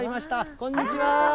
こんにちは。